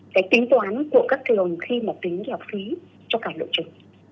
cái tính toán của các trường khi mà tính học phí cho cả đội trưởng